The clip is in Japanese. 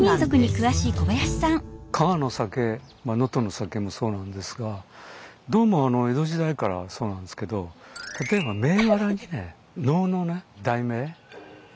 加賀の酒能登の酒もそうなんですがどうも江戸時代からそうなんですけど例えば銘柄にね能の題名を付けたそういう酒が多いんですよ。